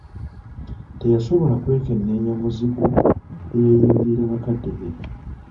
Teyasobola kwekenneenya muzigu eyayingirira bakadde be.